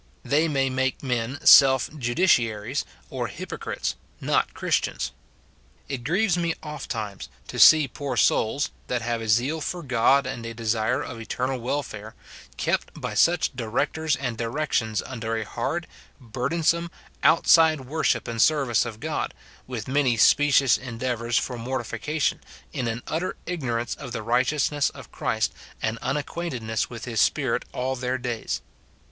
They may make men self justiciaries or hypocrites, not Christians. It grieves me ofttimes to see poor souls, that have a zeal for God and a desire of eternal welfare, kept by such directors and directions under a hard, bur densome, outside worship and service of God, with many specious endeavours for mortification, in an utter igno rance of the righteousness of Christ, and unacquainted ness with his Spirit all their days.